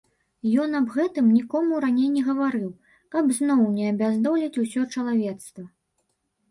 Ён аб гэтым нікому раней не гаварыў, каб зноў не абяздоліць усё чалавецтва.